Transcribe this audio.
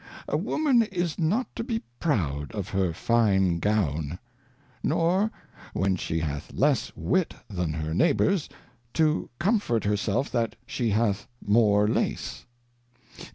A Woman is not to be proud of her fine Gown ; nor when she hath less Wit than her Neighbours, to comfort her self that she hath more Lace.